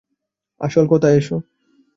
আসল কথায় আসো।